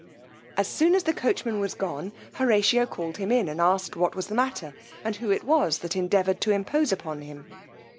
As soon as the coachman was gone, Horatio called him in, and asked what was the matter, and who it was that endeavoured to impose upon him?